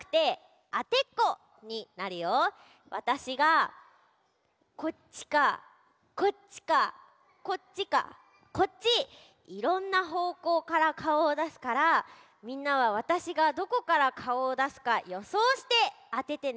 わたしがこっちかこっちかこっちかこっちいろんなほうこうからかおをだすからみんなはわたしがどこからかおをだすかよそうしてあててね。